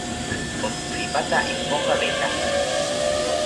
Otsipata ipokaweta